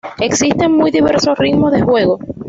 Existen muy diversos ritmos de juego.